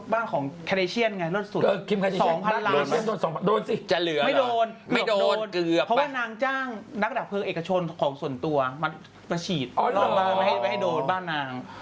บ้านผู้ชนของส่วนตัวมาฉีดไม่ให้โดดบ้านนาง